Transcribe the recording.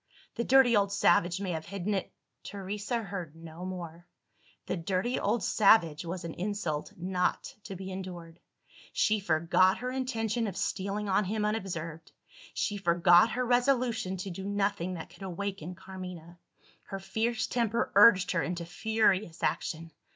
"The dirty old savage may have hidden it " Teresa heard no more. "The dirty old savage" was an insult not to be endured! She forgot her intention of stealing on him unobserved; she forgot her resolution to do nothing that could awaken Carmina. Her fierce temper urged her into furious action.